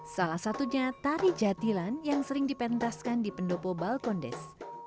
salah satu tari jatilan yang sering dipentaskan di pendopo bal condes